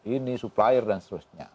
ini supplier dan seterusnya